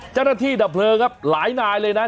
เจ้าหน้าที่ดับเพลิงครับหลายนายเลยนะ